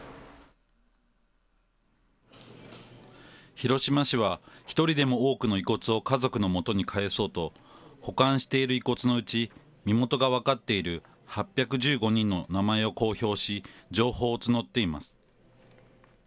広島市は一人でも多くの遺骨を家族のもとに返そうと、保管している遺骨のうち、身元が分かっている８１５人の名前を公表し、情報を募っています。